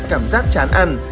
cảm giác chán ăn